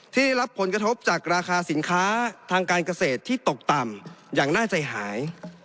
ที่รับผลกระทบจากราคาสินค้าทางการเกษตรที่ตกต่ำอย่างน่าใจหาย